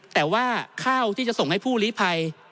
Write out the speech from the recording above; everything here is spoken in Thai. แต่ว่าข้าวที่จะส่งให้ผู้ลิภัย